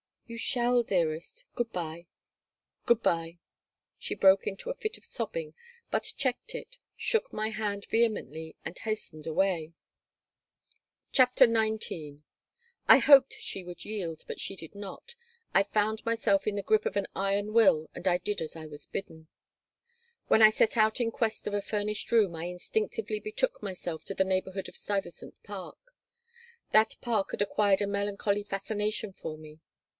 "You shall, dearest. Good by. Good by." She broke into a fit of sobbing, but checked it, shook my hand vehemently and hastened away. [note: Yom Kippur] Day of Atonement; figuratively, a day of anguish and tears. CHAPTER XIX I HOPED she would yield, but she did not. I found myself in the grip of an iron will and I did as I was bidden When I set out in quest of a furnished room I instinctively betook myself to the neighborhood of Stuyvesant Park. That park had acquired a melancholy fascination for me.